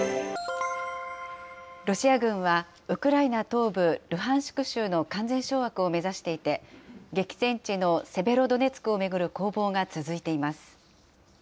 ロシア軍は、ウクライナ東部ルハンシク州の完全掌握を目指していて、激戦地のセベロドネツクを巡る攻防が続いています。